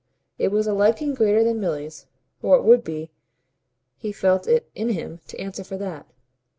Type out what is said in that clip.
It was a liking greater than Milly's or it would be: he felt it in him to answer for that.